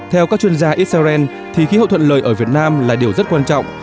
theo các chuyên gia israel thì khí hậu thuận lời ở việt nam là điều rất quan trọng